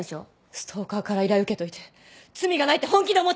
ストーカーから依頼受けといて罪がないって本気で思ってんの？